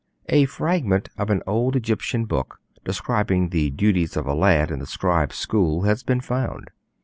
A fragment of an old Egyptian book describing the duties of a lad in the scribes' school has been found.